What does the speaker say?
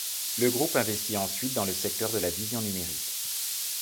Le groupe investis ensuite dans le secteur de la vision numérique.